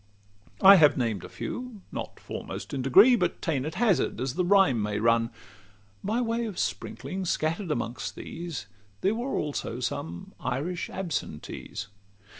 I have named a few, not foremost in degree, But ta'en at hazard as the rhyme may run. By way of sprinkling, scatter'd amongst these, There also were some Irish absentees.